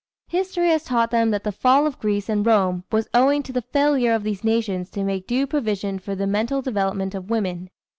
History has taught them that the fall of Greece and Rome was owing to the failure of these nations to make due provision for the mental development of women.